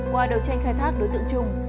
qua đầu tranh khai thác đối tượng chung